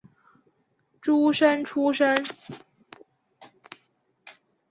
诸生出身。